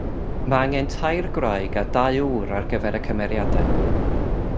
Mae angen tair gwraig a dau ŵr ar gyfer y cymeriadau.